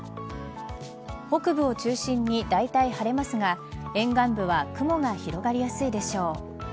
北部を中心にだいたい晴れますが沿岸部は雲が広がりやすいでしょう。